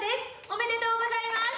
おめでとうございます！